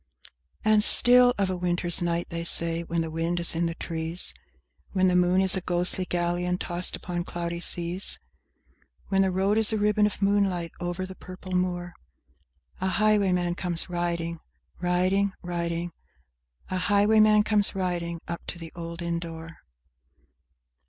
X And still of a winter's night, they say, when the wind is in the trees, When the moon is a ghostly galleon tossed upon cloudy seas, When the road is a ribbon of moonlight over the purple moor, A highwayman comes riding— Riding—riding— A highwayman comes riding, up to the old inn door.